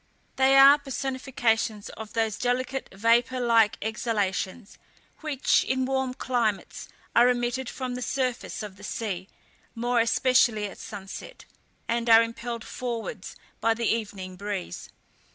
They are personifications of those delicate vapour like exhalations, which, in warm climates, are emitted from the surface of the sea, more especially at sunset, and are impelled forwards by the evening breeze.